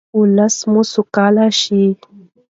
ولس مو سوکاله شي.